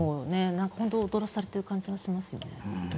本当、踊らされている感じがしますよね。